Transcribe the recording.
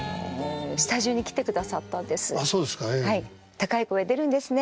「高い声出るんですね！」